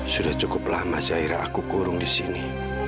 sudah cukup lama zaira aku kurung disini